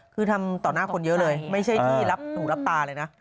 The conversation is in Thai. คือทำต่อหน้าคนเยอะเลยไม่ใช่ที่รับหูรับตาเลยนะ